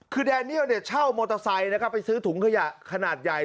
คือแดเนียลเนี่ยเช่ามอเตอร์ไซค์นะครับไปซื้อถุงขยะขนาดใหญ่